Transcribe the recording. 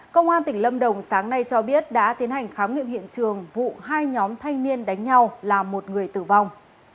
công an tỉnh lâm đồng sáng nay cho biết đã tiến hành khám nghiệm hiện trường vụ hai nhóm thanh niên đánh nhau làm một người tử vong